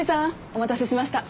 お待たせしました。